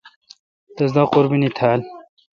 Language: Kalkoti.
تس دا قربینی تھال۔